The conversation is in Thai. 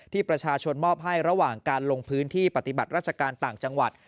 ที่ประชาชนมอบให้ระหว่างการลงพื้นที่ปฏิบัติราชการต่างจังหวัด